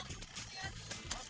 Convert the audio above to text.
serangin aku mas